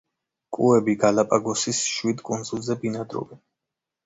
კუები გალაპაგოსის შვიდ კუნძულზე ბინადრობენ.